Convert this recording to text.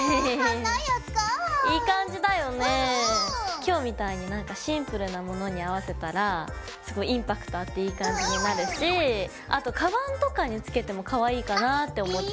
今日みたいになんかシンプルなものに合わせたらすごいインパクトあっていい感じになるしあとカバンとかにつけてもかわいいかなって思った。